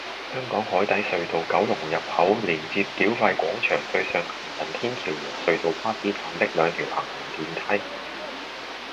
香港海底隧道九龍入口連接繳費廣場對上行人天橋和隧道巴士站的兩條行人電梯